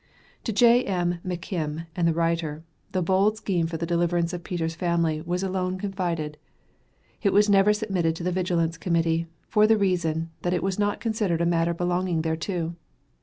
To J.M. McKim and the writer, the bold scheme for the deliverance of Peter's family was alone confided. It was never submitted to the Vigilance Committee, for the reason, that it was not considered a matter belonging thereto.